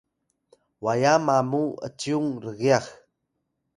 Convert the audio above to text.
waya mamu ’cyung rgyax